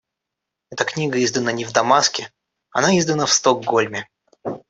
Эта книга издана не в Дамаске, она издана в Стокгольме.